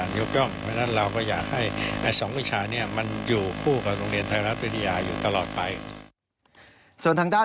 ส่วนทางด้านของเรา